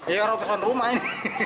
iya ratusan rumah ini